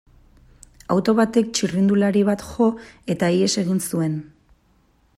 Auto batek txirrindulari bat jo, eta ihes egin zuen.